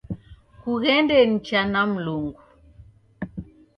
Kughende nicha na Mlungu